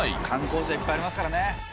観光地はいっぱいありますからね。